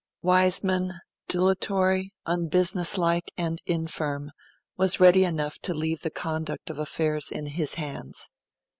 Wiseman, dilatory, unbusinesslike, and infirm, was ready enough to leave the conduct of affairs in his hands.